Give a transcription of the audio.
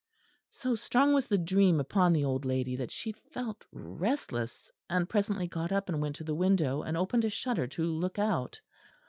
So strong was the dream upon the old lady that she felt restless, and presently got up and went to the window and opened a shutter to look out.